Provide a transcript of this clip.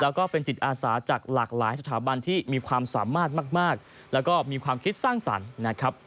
แล้วก็เป็นจิตอาสาจากหลากหลายสถาบันที่มีความสามารถมากแล้วก็มีความคิดสร้างสรรค์นะครับ